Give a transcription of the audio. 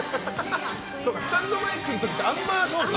スタンドマイクの時ってあんまり、そうか。